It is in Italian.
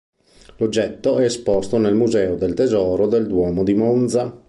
L'oggetto è esposto nel Museo del Tesoro del Duomo di Monza.